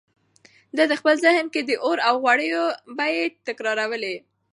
ده په خپل ذهن کې د اوړو او غوړیو بیې تکرارولې.